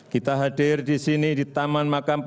kita hadir di sini di taman makam pahlawan indonesia